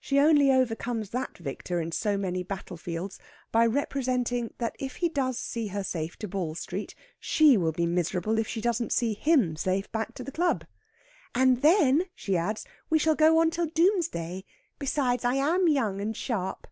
She only overcomes that victor in so many battle fields by representing that if he does see her safe to Ball Street she will be miserable if she doesn't see him safe back to the club. "And then," she adds, "we shall go on till doomsday. Besides, I am young and sharp!"